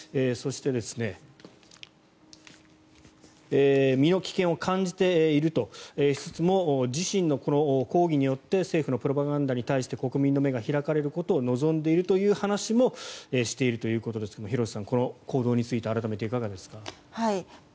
そして、身の危険を感じているとしつつも自身の抗議によって政府のプロパガンダに対して国民の目が開かれることを望んでいるという話もしているということですが廣瀬さん、この行動について改めていかがですか？